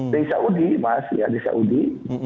di saudi mas ya di saudi